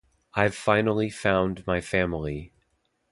I've finally found my family.